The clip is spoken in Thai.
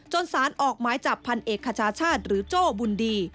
สารออกหมายจับพันเอกคชาชาติหรือโจ้บุญดี